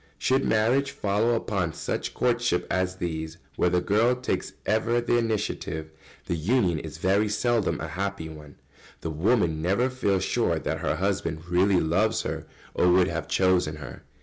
] Should marriage follow upon such courtships as these, where the girl takes ever the initiative, the union is very seldom a happy one. The wife never feels sure that her husband really loves her or would have chosen her.